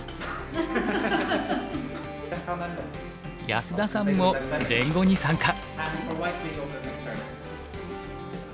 安田さんも連碁に参加。